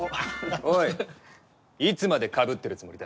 おいいつまで被ってるつもりだ。